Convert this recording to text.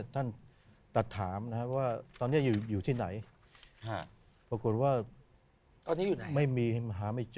ตัดถามว่าตอนนี้อยู่ที่ไหนปรากฏไม่มีหาไม่เจอ